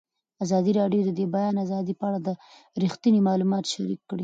ازادي راډیو د د بیان آزادي په اړه رښتیني معلومات شریک کړي.